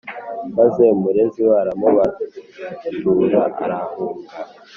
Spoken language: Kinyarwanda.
maze umurezi we aramubatura arahunga.